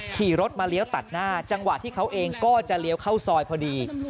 ขี่รถมาเลี้ยวตัดหน้าจังหวะที่เขาเองก็จะเลี้ยวเข้าซอยพอดี